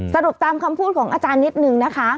สรุปตามคำพูดของอาจารย์นิดนึงนะคะ